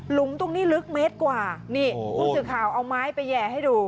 ตรงนี้ลึกเมตรกว่านี่ผู้สื่อข่าวเอาไม้ไปแห่ให้ดู